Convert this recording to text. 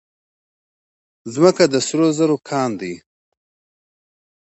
ځمکه د سرو زرو کان دی.